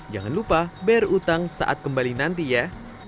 jangan lupa bayar utang saat kembali nanti ya